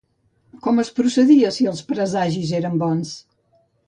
Com es procedia si els presagis eren bons?